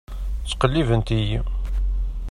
Ttqellibent-iyi.